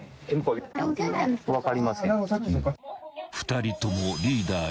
［２人ともリーダー